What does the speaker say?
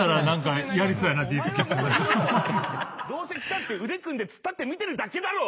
どうせ来たって腕組んで突っ立って見てるだけだろ！